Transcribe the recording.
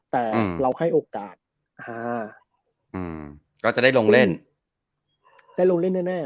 แต่เราให้โอกาสฮาก็จะได้ลงเล่นได้ลงเล่นแน่